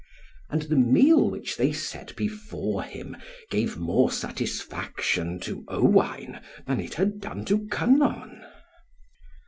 And the meal which they set before him, gave more satisfaction to Owain than it had done to Kynon.